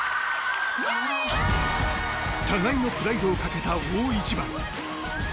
互いのプライドをかけた大一番。